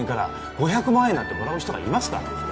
５００万円なんてもらう人がいますか？